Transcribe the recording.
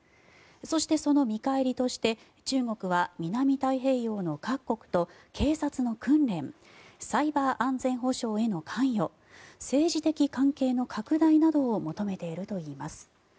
そして、その見返りとして中国は南太平洋の各国と警察の訓練サイバー安全保障への関与政治的関係の拡大などを求めているといいます。